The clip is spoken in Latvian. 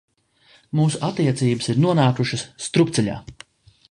Mūsu attiecības ir nonākušas strupceļā!